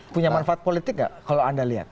punya manfaat politik nggak kalau anda lihat